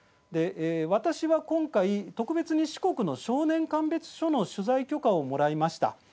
私は今回、特別に四国の少年鑑別所の取材許可をもらいました。